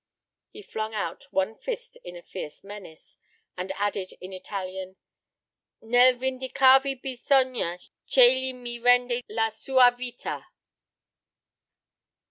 He flung out one fist in a fierce menace, and added in Italian: "Nel vindicarvi bisogna ch'egli mi rende la sua vita."